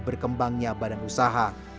berkembangnya badan usaha